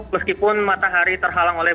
meskipun matahari terhalang oleh